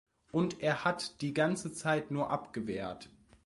Und er hat die ganze Zeit nur abgewehrt.